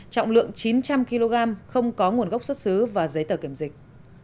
trọng lượng chín trăm linh kg không có nguồn gốc xuất xứ và giấy tờ kiểm dịch